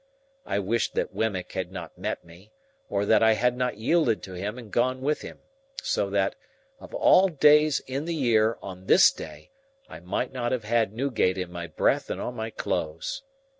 I wished that Wemmick had not met me, or that I had not yielded to him and gone with him, so that, of all days in the year on this day, I might not have had Newgate in my breath and on my clothes.